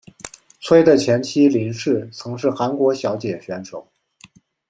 崔的前妻林氏曾是韩国小姐选手。